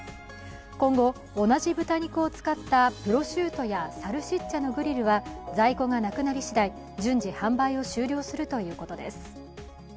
今後、同じ豚肉を使ったプロシュートやサルシッチャのグリルは在庫がなくなり次第順次販売を終了するということです。